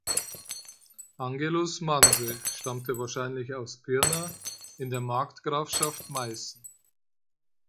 Angelus Manse stammte wahrscheinlich aus Pirna in der Markgrafschaft Meißen.